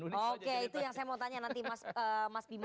oke itu yang saya mau tanya nanti mas bima